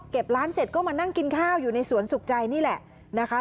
ร้านเสร็จก็มานั่งกินข้าวอยู่ในสวนสุขใจนี่แหละนะคะ